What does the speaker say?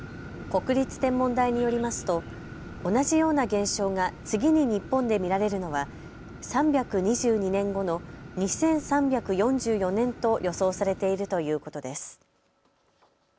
国立天文台によりますと同じような現象が次に日本で見られるのは３２２年後の２３４４年と予想されているということです。